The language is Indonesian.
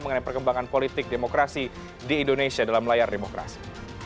mengenai perkembangan politik demokrasi di indonesia dalam layar demokrasi